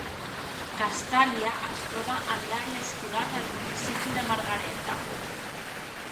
Castalia es troba en l'àrea escolar del municipi de Margaretta.